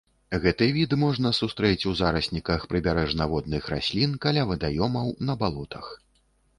Гэты від можна сустрэць у зарасніках прыбярэжна-водных раслін каля вадаёмаў, на балотах.